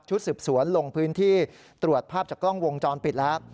สืบสวนลงพื้นที่ตรวจภาพจากกล้องวงจรปิดแล้ว